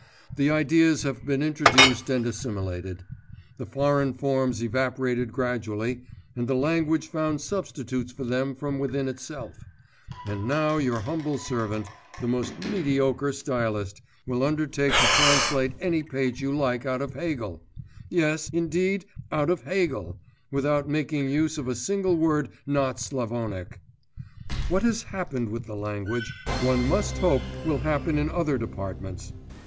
The ideas had been introduced and assimilated; the foreign forms evaporated gradually, and the language found substitutes for them from within itself; and now your humble servant, the most mediocre stylist, will undertake to translate any page you like out of Hegel yes, indeed, out of Hegel without making use of a single word not Slavonic. What has happened with the language, one must hope will happen in other departments.